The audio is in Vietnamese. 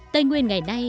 tây nguyên ngày nay